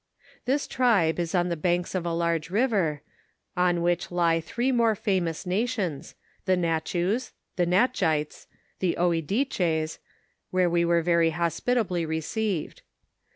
This tribe is on the banks of a large river, on which lie three more famous nations, the Katchoos, the Natchites, the Ouidiches, where we were very hospitably received.